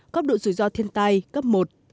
góc độ rủi ro thiên tai cấp một